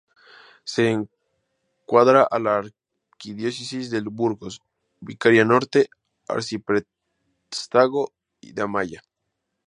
Se encuadra en la Archidiócesis de Burgos, vicaría Norte, arciprestazgo de Amaya.